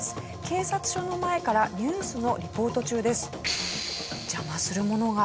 警察署の前からニュースのリポート中です。